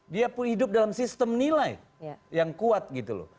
dia hidup dalam sistem nilai yang kuat gitu loh